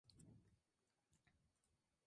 Steve no continuó en Mr.